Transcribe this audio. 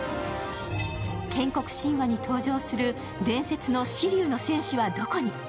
建国神話に登場する伝説の四龍の戦士はどこに？